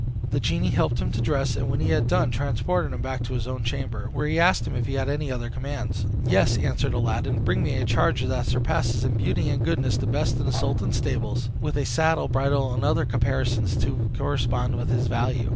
The genie helped him to dress, and when he had done, transported him back to his own chamber, where he asked him if he had any other commands. "Yes," answered Aladdin; "bring me a charger that surpasses in beauty and goodness the best in the sultan's stables, with a saddle, bridle, and other caparisons to correspond with his value.